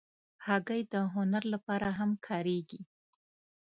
هګۍ د هنر لپاره هم کارېږي.